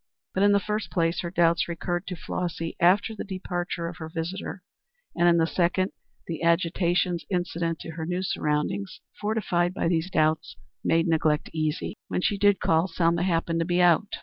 But in the first place, her doubts recurred to Flossy after the departure of her visitor, and in the second, the agitations incident to her new surroundings, fortified by these doubts, made neglect easy. When she did call, Selma happened to be out.